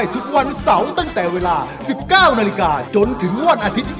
ทุกวันเสาร์ตั้งแต่เวลา๑๙นาฬิกาจนถึงวันอาทิตย์